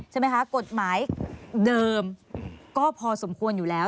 ใช่ไหมคะกฎหมายเดิมก็พอสมควรอยู่แล้ว